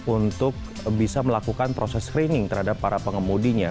untuk bisa melakukan proses screening terhadap para pengemudinya